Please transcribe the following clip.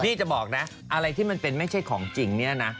จะบอกนะอะไรที่มันเป็นไม่ใช่ของจริงเนี่ยนะ